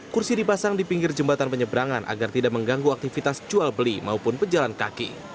kursi dipasang di pinggir jembatan penyeberangan agar tidak mengganggu aktivitas jual beli maupun pejalan kaki